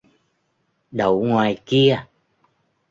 Đậu ngoài kia